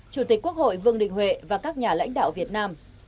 chủ tịch quốc hội vương đình huệ và các nhà lãnh đạo việt nam